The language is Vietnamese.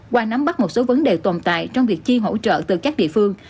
qua nắm bắt một số vấn đề tồn tại trong việc chi hỗ trợ từ các địa phương